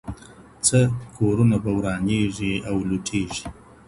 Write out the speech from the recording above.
څه کورونه به ورانیږي او لوټیږي